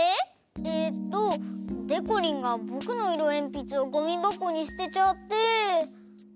えっとでこりんがぼくのいろえんぴつをゴミばこにすてちゃって。